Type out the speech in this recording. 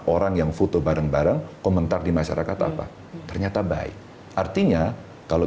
orang yang foto bareng bareng komentar di masyarakat apa ternyata baik artinya kalau